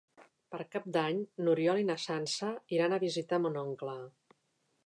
Per Cap d'Any n'Oriol i na Sança iran a visitar mon oncle.